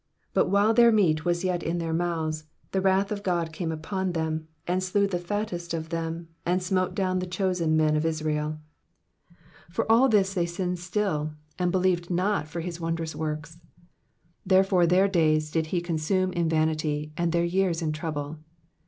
But while their meat teas yet in their mouths, 31 The wrath of God came upon them, and slew the fattest of them, and smote down the chosen 7Pien of Israel. 32 For all this they sinned still, and believed not for his wondrous works. 33 Therefore their days did he consume in vanity, and their years in trouble.